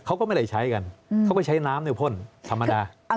เขาก็ไม่ได้ใช้กันเขาก็ใช้น้ำในพ่นธรรมดา